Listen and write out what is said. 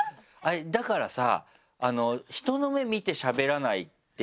だからさ。